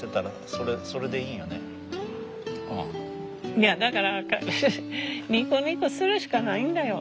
いやだからニコニコするしかないんだよ。